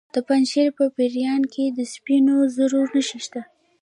د پنجشیر په پریان کې د سپینو زرو نښې شته.